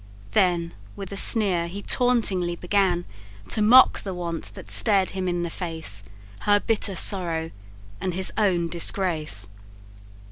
Then, with a sneer, he tauntingly began To mock the want that stared him in the face, Her bitter sorrow, and his own disgrace.